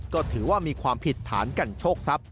ก็ถือว่ามีความผิดฐานกันโชคทรัพย